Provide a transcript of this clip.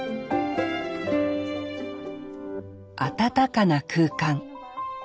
暖かな空間。